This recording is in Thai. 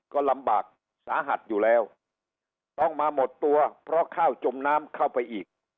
ก็ลำบากสาหัสอยู่แล้วต้องมาหมดตัวเพราะข้าวจมน้ำเข้าไปอีก